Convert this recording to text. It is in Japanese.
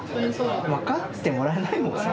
分かってもらえないもんね。